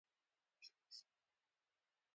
د تېرېدنې طريقه به يې خپلوله.